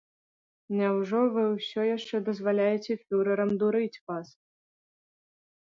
Няўжо вы ўсё яшчэ дазваляеце фюрэрам дурыць вас?